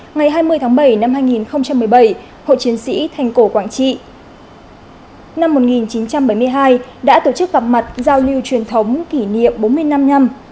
ngày hai mươi tháng bảy năm hai nghìn một mươi bảy hội chiến sĩ thành cổ quảng trị năm một nghìn chín trăm bảy mươi hai đã tổ chức gặp mặt giao lưu truyền thống kỷ niệm bốn mươi năm năm